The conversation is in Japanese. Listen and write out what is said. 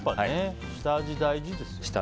下味大事ですよね。